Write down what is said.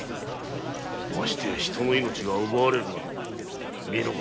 ましてや人の命が奪われるなど見逃せん。